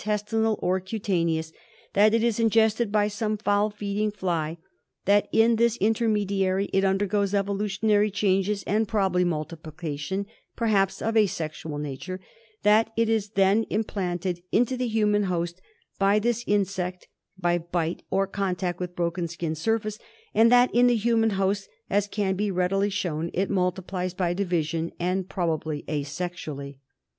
J ^: tinal or cutaneous ; that ,"'^^'^^ if %''\ it is ingested by some foul ' feeding fly; that in this ^■ intermediary it undergoes evolutionary changes and Iprobably multiplication, I perhaps of a sexual na iture; that it is then im planted into the human iA/Ur Leiilimm.) ^^^^^ ^V ^^'^ iuSCCt by bite or contact with broken skin surface; and that in the human host, as can be readily ^ shown, it multiplies by division and probably asexually.